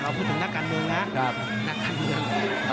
เราพูดถึงนักการเรียงนะนักการเรียง